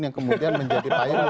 yang kemudian menjadi pahit